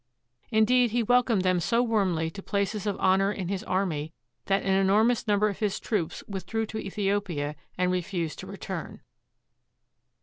Indeed, he welcomed them so warmly to places of honor in his army that an enormous number of his troops withdrew to Ethiopia and refused to return.